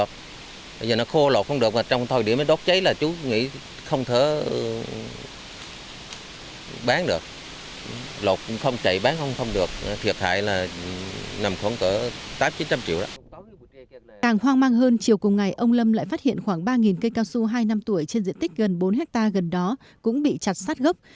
càng hoang mang hơn chiều cùng ngày ông lâm lại phát hiện khoảng ba cây cao su hai năm tuổi trên diện tích gần bốn hectare gần đó cũng bị chặt sát gốc